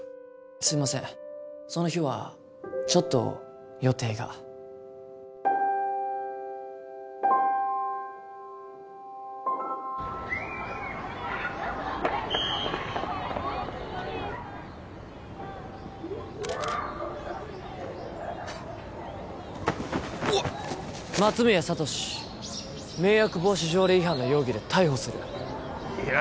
すいませんその日はちょっと予定がうわっ松宮聡迷惑防止条例違反の容疑で逮捕するいや